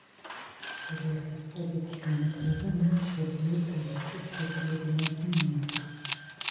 პირველდაწყებითი განათლება მან მშობლიურ ქალაქში, მშობლიურ ენაზე მიიღო.